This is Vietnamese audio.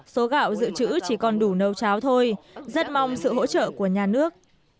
số gạo dự trữ chỉ còn đủ nấu cháo thôi rất mong sự hỗ trợ của nhà nước